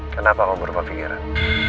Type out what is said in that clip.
kenapa kamu berupa pikiran